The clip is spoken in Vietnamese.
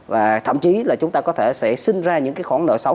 và thậm chí là chúng ta có thể sẽ sinh ra những cái khoản nợ sáu